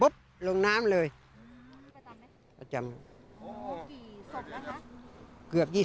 ตรงปุ๊บ